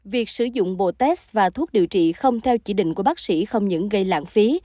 việc sử dụng bộ test và thuốc điều trị không theo chỉ định của bác sĩ không những gây lãng phí